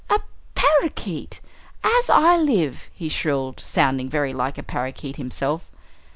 "A parakeet as I live!" he shrilled, sounding very like a parakeet himself.